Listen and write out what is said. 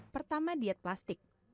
pertama diet plastik